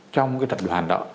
trong cái tập đoàn đó